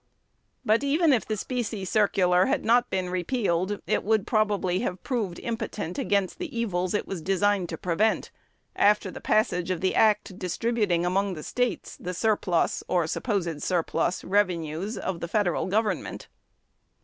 But, even if the specie circular had not been repealed, it would probably have proved impotent against the evils it was designed to prevent, after the passage of the Act distributing among the States the surplus (or supposed surplus) revenues of the Federal Government.